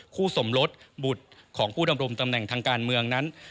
สมรสบุตรของผู้ดำรงตำแหน่งทางการเมืองนั้น